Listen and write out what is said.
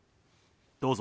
どうぞ。